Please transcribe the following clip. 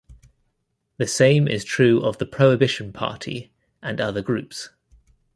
The same is true of the Prohibition Party and other groups.